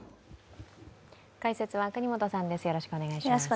解説は國本さんです。